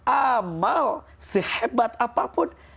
amal sehebat apapun